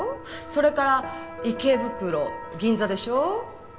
それから池袋銀座でしょ？